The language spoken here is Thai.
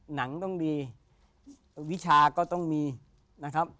หนังต้องดีวิชาก็ต้องมีนะครับ